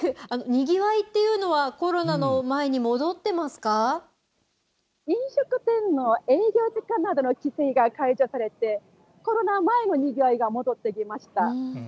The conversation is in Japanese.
にぎわいというのは、コロナの前飲食店の営業時間などの規制が解除されて、コロナ前のにぎわいが戻ってきました。